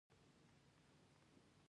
باران د افغانانو ژوند اغېزمن کوي.